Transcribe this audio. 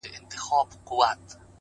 • اوس مي لا په هر رگ كي خـوره نـــه ده؛